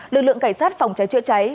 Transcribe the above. lực lượng cảnh sát phòng trái trữa trái